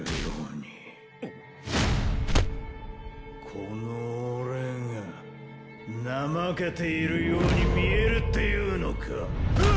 このオレがナマけているように見えるって言うのかッ！